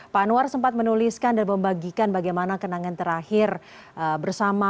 pak anwar sempat menuliskan dan membagikan bagaimana kenangan terakhir bersama